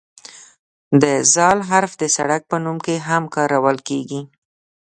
د "ذ" حرف د سړک په نوم کې هم کارول کیږي.